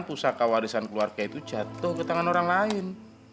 pusaka warisan keluarga itu jatuh ke tangan orang lain